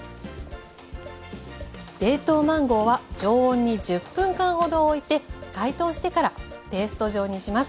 冷凍マンゴーは常温に１０分間ほどおいて解凍してからペースト状にします。